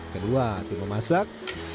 kedua tim memasak